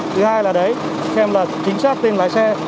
thứ hai là đấy xem là chính xác tên lái xe